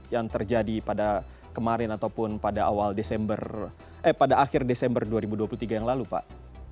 yang terjadi pada kemarin ataupun pada awal desember eh pada akhir desember dua ribu dua puluh tiga yang lalu pak